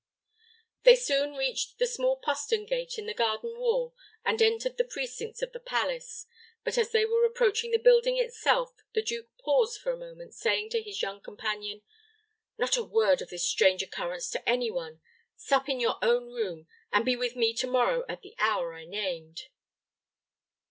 They soon reached the small postern gate in the garden wall, and entered the precincts of the palace; but as they were approaching the building itself, the duke paused for a moment, saying to his young companion, "Not a word of this strange occurrence to any one. Sup in your own room, and be with me to morrow at the hour I named."